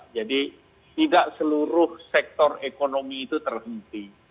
jadi tidak seluruh sektor ekonomi itu terhenti